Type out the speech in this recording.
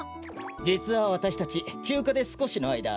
じつはわたしたちきゅうかですこしのあいだ